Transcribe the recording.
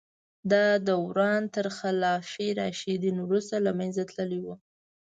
دا دوران تر خلفای راشدین وروسته له منځه تللی و.